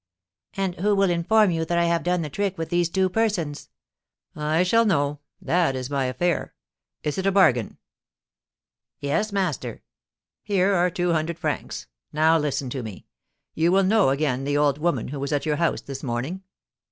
'And who will inform you that I have done the trick with these two persons?' 'I shall know; that is my affair. Is it a bargain?' 'Yes, master.' 'Here are two hundred francs. Now listen to me; you will know again the old woman who was at your house this morning?'